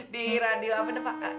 di radio apa nih pak